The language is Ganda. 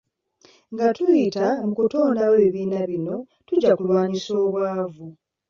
Nga tuyita mu kutondawo ebibiina bino tujja kulwanyisa obwavu.